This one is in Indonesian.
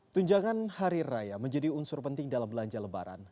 tunjangan hari raya menjadi unsur penting dalam belanja lebaran